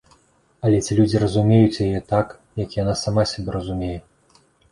Але ці людзі разумеюць яе так, як яна сама сябе разумее?